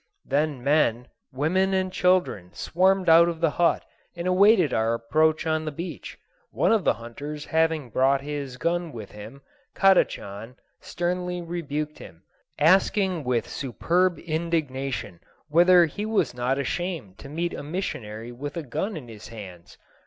Then men, women, and children swarmed out of the hut, and awaited our approach on the beach. One of the hunters having brought his gun with him, Kadachan sternly rebuked him, asking with superb indignation whether he was not ashamed to meet a missionary with a gun in his hands.